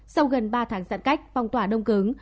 sau gần ba tháng giãn cách phong tỏa đông cứng